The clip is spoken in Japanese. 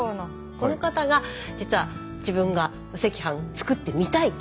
この方が実は自分がお赤飯作ってみたいと。